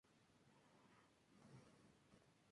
En la Presidencia del Dr. Camilo Ponce Enríquez.